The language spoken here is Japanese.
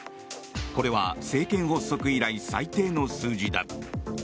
これは政権発足以来最低の数字だ。